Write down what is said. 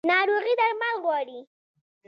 ناروغي درمل غواړي